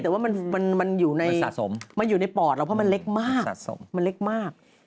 แต่ว่ามันอยู่ในปอดเราเพราะมันเล็กมาก